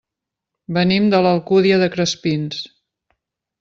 Venim de l'Alcúdia de Crespins.